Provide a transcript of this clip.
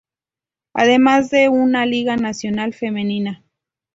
Además, de una Liga Nacional Femenina.